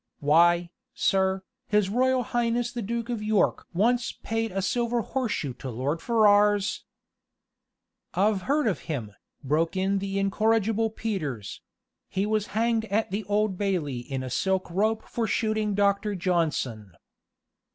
Why, sir, His Royal Highness the Duke of York once paid a silver horse shoe to Lord Ferrers " "I've heard of him," broke in the incorrigible Peters; "he was hanged at the Old Bailey in a silk rope for shooting Dr. Johnson."